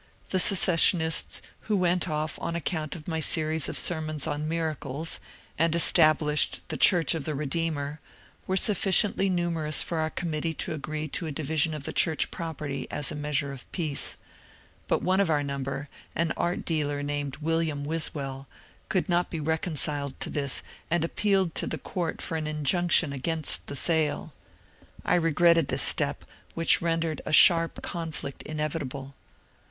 The secessionists who went off on acoount of my series of sermons on << Miracles/' and established the ''Church of the Redeemer/' were sufficiently numerous for our committee to agree to a division of the church property as a measure of peace. But one of our number, an art dealer named William Wiswell, could not be reconciled to thb and appealed to the court for an injunction against the sale. I re gretted this step, which rendered a sharp conflict inevitable.